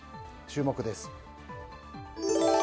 注目です。